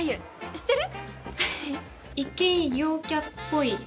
知ってる？